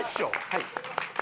はい。